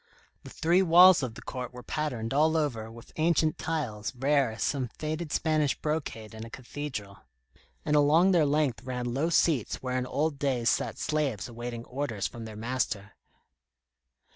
The three walls of the court were patterned all over with ancient tiles rare as some faded Spanish brocade in a cathedral, and along their length ran low seats where in old days sat slaves awaiting orders from their master.